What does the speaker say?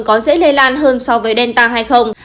có dễ lây lan hơn so với delta hay không